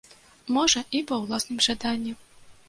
Можа, і па ўласным жаданні.